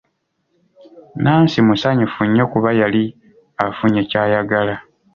Nansi musanyufu nnyo kubanga yali afunye kyayagala.